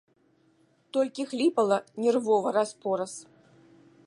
Толькі хліпала нервова раз-пораз.